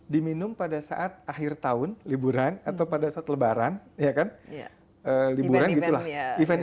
diminum pada saat akhir tahun liburan atau pada saat lebaran ya kan liburan gitu lah eventnya